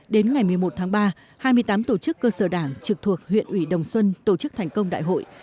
đến ngày một mươi một tháng ba hai mươi tám tổ chức cơ sở đảng trực thuộc huyện ủy đồng xuân tổ chức thành công đại hội